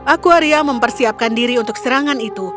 aku arya mempersiapkan diri untuk serangan itu